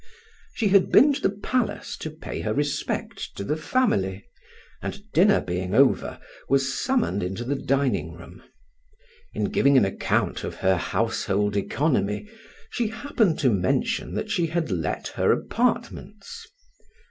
She had been to the palace to pay her respects to the family, and, dinner being over, was summoned into the dining room. In giving an account of her household economy she happened to mention that she had let her apartments.